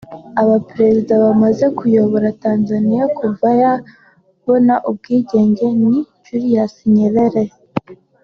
Abaperezida bamaze kuyobora Tanzania kuva yabona ubwigenge ni Julius Nyerere